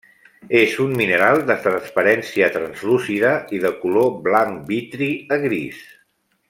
És un mineral de transparència translúcida, i de color blanc vitri a gris.